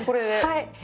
はい。